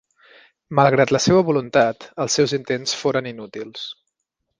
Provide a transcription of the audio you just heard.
Malgrat la seva voluntat, els seus intents foren inútils.